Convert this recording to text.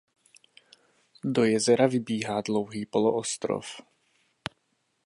Do jezera vybíhá dlouhý poloostrov.